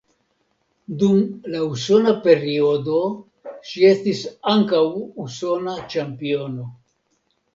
Dum la usona periodo ŝi estis ankaŭ usona ĉampiono.